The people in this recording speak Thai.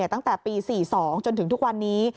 ตั้งแต่ปี๔๒จนถึงทุกวันนี้